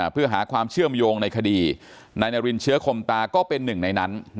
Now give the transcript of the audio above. เพื่อหาความเชื่อมโยงในคดีนายนารินเชื้อคมตาก็เป็นหนึ่งในนั้น